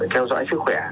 theo dõi sức khỏe